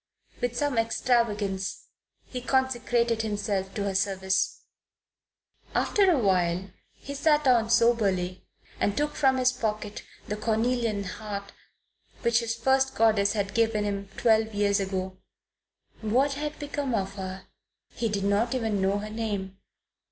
With some extravagance he consecrated himself to her service. After a while he sat down soberly and took from his pocket the cornelian heart which his first goddess had given him twelve years ago. What had become of her? He did not even know her name.